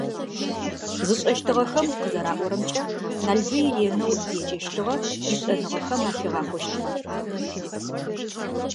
Зышӏэщтыгъэхэм къызэраӏорэмкӏэ Налбый ренэу еджэщтыгъэ, ишӏэныгъэхэм ахигъахъощтыгъэ.